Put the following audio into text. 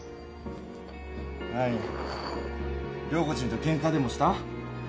何涼子ちんとけんかでもした？